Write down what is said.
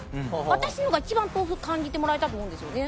私のが一番豆腐感じてもらえたと思うんですよね。